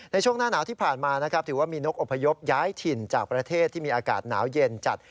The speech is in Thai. ในช่วงหน้าหนาวที่ผ่านมานะครับถือว่ามีนกอพยพย้ายถิ่นจากประเทศที่มีอากาศหนาวเย็นจัด